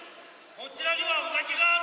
こちらにはウナギがある。